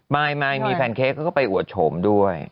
มายมายมีแฟนเค้กก็ไปอวดโฉมด้วย